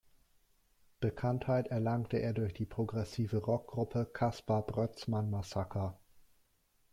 Bekanntheit erlangte er durch die Progressive-Rock-Gruppe "Caspar Brötzmann Massaker".